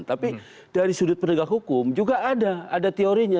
tapi dari sudut penegak hukum juga ada ada teorinya